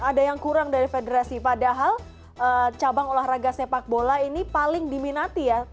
ada yang kurang dari federasi padahal cabang olahraga sepak bola ini paling diminati ya